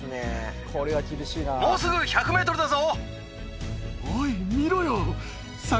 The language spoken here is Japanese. もうすぐ１００ｍだぞ・